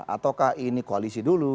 ataukah ini koalisi dulu